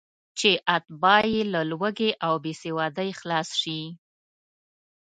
چې اتباع یې له لوږې او بېسوادۍ خلاص شي.